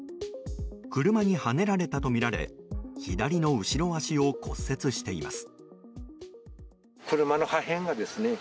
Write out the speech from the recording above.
車にはねられたとみられ左の後ろ脚を骨折しています。